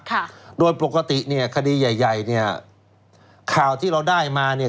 ค่ะโดยปกติเนี่ยคดีใหญ่ใหญ่เนี้ยข่าวที่เราได้มาเนี้ย